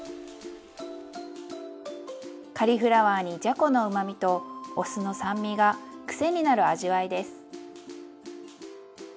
カリフラワーにじゃこのうまみとお酢の酸味が癖になる味わいです。